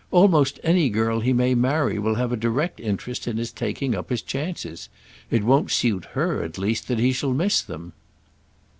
Almost any girl he may marry will have a direct interest in his taking up his chances. It won't suit her at least that he shall miss them."